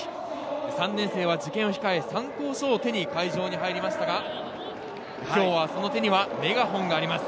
３年生は受験を控え、参考書を手に会場に入りましたが、今日はその手にはメガホンがあります。